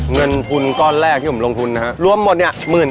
เงินทุนก้อนแรกที่ผมลงทุนนะฮะรวมหมดเนี่ย